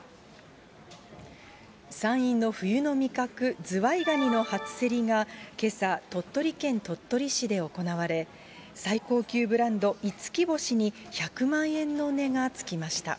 山陰の冬の味覚、ズワイガニの初競りがけさ、鳥取県鳥取市で行われ、最高級ブランド、五輝星に１００万円の値がつきました。